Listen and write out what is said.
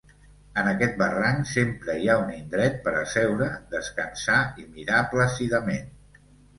En aquest barranc sempre hi ha un indret per a seure, descansar i mirar plàcidament.